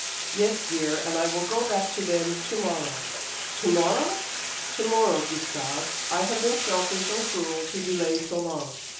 "Yes, dear; and I will go back to them to morrow." "To morrow!" "To morrow, Gustave. I have been selfish and cruel to delay so long.